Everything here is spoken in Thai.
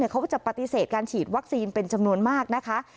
เขาจะปฏิเสธการฉีดวัคซีนเป็นจำนวนมากนะคะ